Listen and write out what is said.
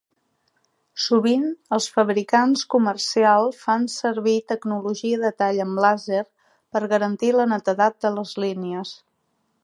Sovint, els fabricants comercial fan servir tecnologia de tall amb làser per garantir la netedat de les línies.